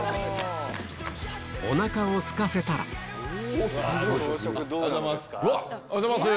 おなかをすかせたらおはようございます。